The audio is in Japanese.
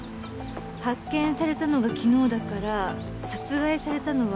発見されたのが昨日だから殺害されたのは先週の日曜日。